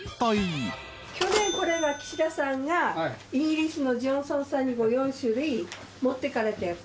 去年これが岸田さんがイギリスのジョンソンさんに４種類持ってかれたやつ。